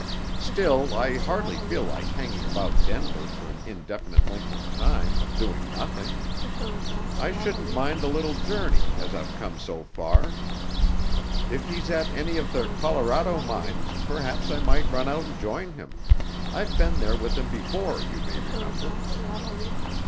"Still, I hardly feel like hanging about Denver for an indefinite length of time, doing nothing. I shouldn't mind a little journey, as I've come so far. If he's at any of the Colorado mines, perhaps I might run out and join him; I've been there with him before, you may remember."